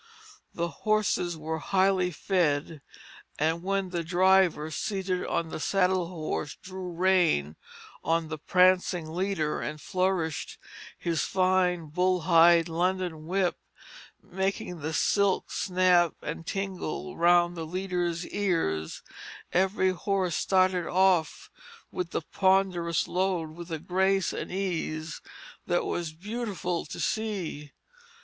The horses were highly fed; and when the driver, seated on the saddle horse, drew rein on the prancing leader and flourished his fine bull hide London whip, making the silk snap and tingle round the leader's ears, every horse started off with the ponderous load with a grace and ease that was beautiful to see.